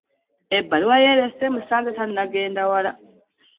Ebbaluwa ya L.C emusanze tannagenda wala.